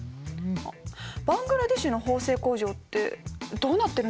バングラデシュの縫製工場ってどうなってるんですかね？